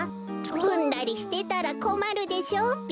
うんだりしてたらこまるでしょうべ。